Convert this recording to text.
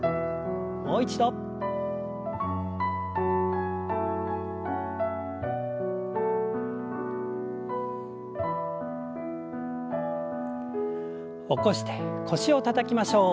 もう一度。起こして腰をたたきましょう。